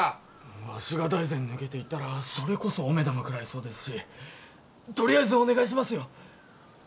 わしが大膳抜けて行ったらそれこそ大目玉くらいそうですしとりあえずお願いしますよ